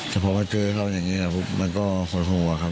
แต่พอมาเจอเขาอย่างนี้มันก็หดหัวครับ